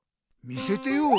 見せてよ。